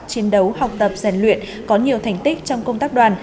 chiến đấu học tập rèn luyện có nhiều thành tích trong công tác đoàn